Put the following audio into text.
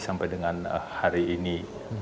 sampai dengan hari ini